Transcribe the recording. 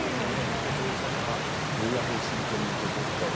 受け取り方がそれだけ真剣に受け取った。